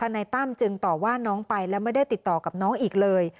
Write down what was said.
นายตั้มจึงต่อว่าน้องไปและไม่ได้ติดต่อกับน้องอีกเลย